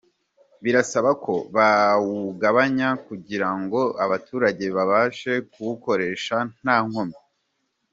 Birasaba ko bawugabanya kugira ngo abaturage babashe kuwukoresha nta nkomyi.